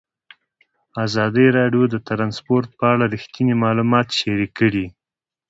ازادي راډیو د ترانسپورټ په اړه رښتیني معلومات شریک کړي.